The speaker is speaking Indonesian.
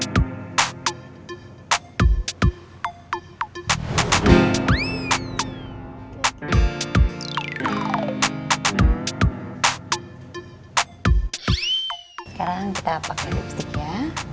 sekarang kita pake lipstick ya